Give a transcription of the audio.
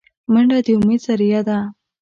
منډه د امید ذریعه ده